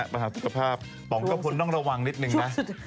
ปัญหาสุขภาพป๋องกระพลต้องระวังนิดนึงนะ